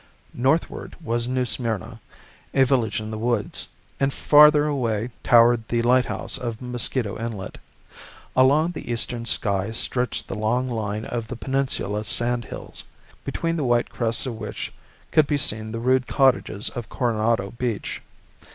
Northward was New Smyrna, a village in the woods, and farther away towered the lighthouse of Mosquito Inlet. Along the eastern sky stretched the long line of the peninsula sand hills, between the white crests of which could be seen the rude cottages of Coronado beach.